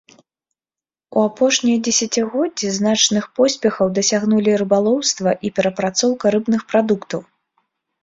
У апошнія дзесяцігоддзі значных поспехаў дасягнулі рыбалоўства і перапрацоўка рыбных прадуктаў.